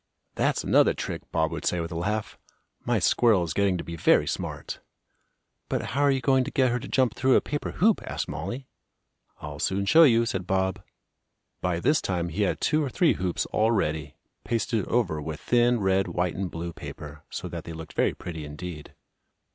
"That's another trick," Bob would say with a laugh. "My squirrel is getting to be very smart!" "But how are you going to get her to jump through a paper hoop?" asked Mollie. "I'll soon show you," said Bob. By this time he had two or three hoops all ready, pasted over with thin red, white and blue paper, so that they looked very pretty indeed.